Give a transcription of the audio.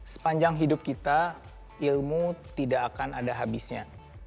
sepanjang hidup kita ilmu tidak akan ada habisnya